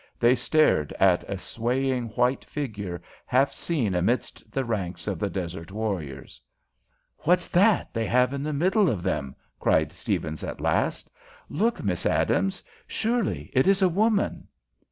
They stared at a swaying white figure half seen amidst the ranks of the desert warriors. "What's that they have in the middle of them?" cried Stephens at last. "Look, Miss Adams! Surely it is a woman!"